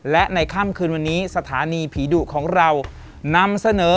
และในค่ำคืนวันนี้สถานีผีดุของเรานำเสนอ